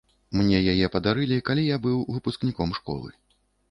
Мне яе падарылі, калі я быў выпускніком школы.